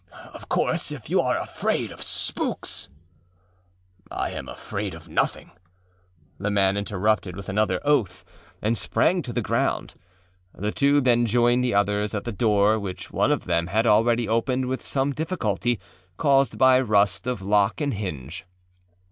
Of course if you are afraid of spooksââ âI am afraid of nothing,â the man interrupted with another oath, and sprang to the ground. The two then joined the others at the door, which one of them had already opened with some difficulty, caused by rust of lock and hinge.